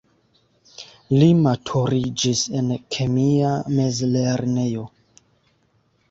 Li maturiĝis en kemia mezlernejo.